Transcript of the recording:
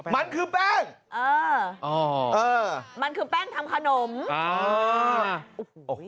มันคือแป้งเออมันคือแป้งทำขนม